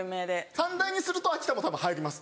三大にすると秋田も入ります。